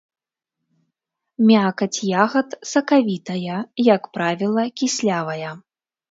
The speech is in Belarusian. Мякаць ягад сакавітая, як правіла, кіслявая.